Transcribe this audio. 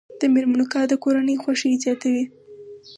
د میرمنو کار د کورنۍ خوښۍ زیاتوي.